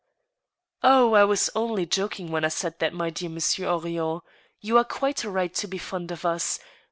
" Oh ! I was only joking when I said that, my dear Monsieur Henrion. You are quite right to be fond of us.